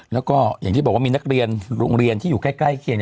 แล้วก็อย่างที่บอกว่ามีนักเรียนโรงเรียนที่อยู่ใกล้เคียง